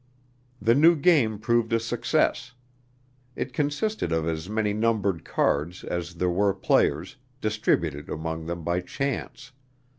The new game proved a success. It consisted of as many numbered cards as there were players, distributed among them by chance.